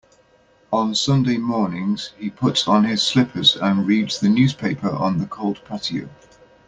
On Sunday mornings, he puts on his slippers and reads the newspaper on the cold patio.